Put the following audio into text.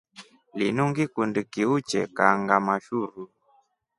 Linu ngikundi kiuche kanʼgama shuru.